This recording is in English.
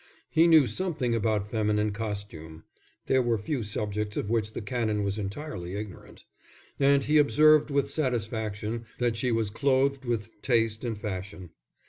He knew something about feminine costume, (there were few subjects of which the Canon was entirely ignorant,) and he observed with satisfaction that she was clothed with taste and fashion.